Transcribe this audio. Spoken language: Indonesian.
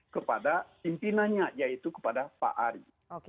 kepada pimpinannya yaitu kepada pak ari